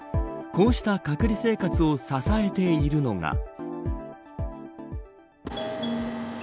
こうした隔離生活を支えているのが。